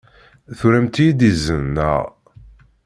Turamt-iyi-d izen, naɣ?